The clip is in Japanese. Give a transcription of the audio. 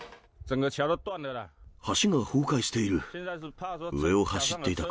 橋が崩壊している。